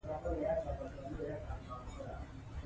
ازادي راډیو د سوداګري لپاره د چارواکو دریځ خپور کړی.